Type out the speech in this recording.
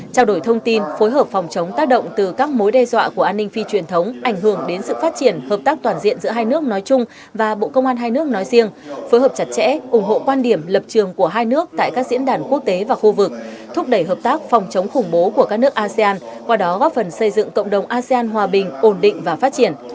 trao đổi thông tin phối hợp phòng chống tác động từ các mối đe dọa của an ninh phi truyền thống ảnh hưởng đến sự phát triển hợp tác toàn diện giữa hai nước nói chung và bộ công an hai nước nói riêng phối hợp chặt chẽ ủng hộ quan điểm lập trường của hai nước tại các diễn đàn quốc tế và khu vực thúc đẩy hợp tác phòng chống khủng bố của các nước asean qua đó góp phần xây dựng cộng đồng asean hòa bình ổn định và phát triển